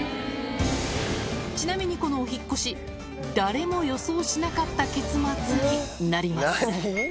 ちなみにこのお引っ越し、誰も予想しなかった結末になります。